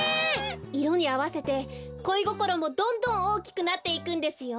いろにあわせてこいごころもどんどんおおきくなっていくんですよ。